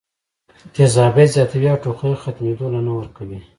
تېزابيت زياتوي او ټوخی ختمېدو له نۀ ورکوي